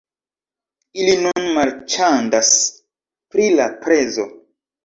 Ili nun marĉandas pri la prezo